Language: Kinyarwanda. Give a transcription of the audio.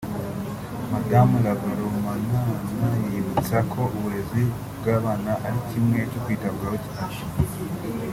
Mme Ravalomanana yibutsa ko uburezi bw’abana ari kimwe cyo kwitabwaho ati